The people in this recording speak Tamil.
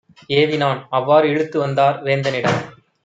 ஏவினான். அவ்வா றிழுத்துவந்தார் வேந்தனிடம்.